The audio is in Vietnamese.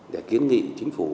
để kiến nghị chính phủ